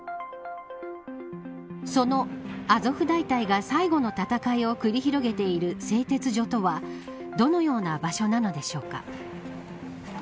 そのアゾフ大隊が最後の戦いを繰り広げている製鉄所とはどのような場所なのでしょうか。